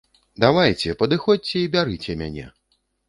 Давайце, падыходзьце і бярыце мяне.